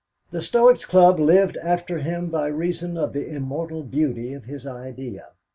The Stoics' Club lived after him by reason of the immortal beauty of his idea.